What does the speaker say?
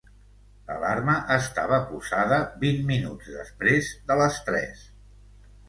L'alarma estava posada vint minuts després de les tres.